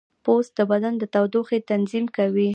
پوست د بدن د تودوخې تنظیم کوي.